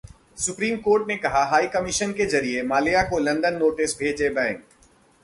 supreme court ने कहा- high commission के जरिए माल्या को लंदन नोटिस भेजें बैंक